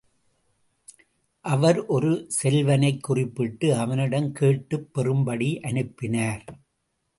அவர் ஒரு செல்வனைக் குறிப்பிட்டு அவனிடம் கேட்டுப் பெறும்படி அனுப்பினார்.